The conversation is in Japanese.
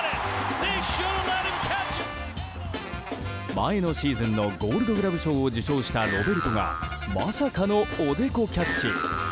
前のシーズンのゴールドグラブ賞を受賞したロベルトがまさかのおでこキャッチ。